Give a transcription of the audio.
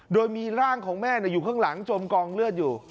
โดยมีร่างของแม่อยู่ข้างหลังจมกองเลือดอยู่